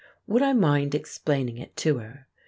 Would I mind explaining it to her?